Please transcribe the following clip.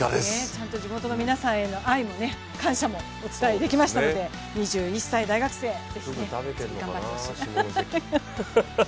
ちゃんと地元の皆さんへの愛も感謝もお伝えできましたので２１歳、大学生、ぜひ次も頑張ってほしい。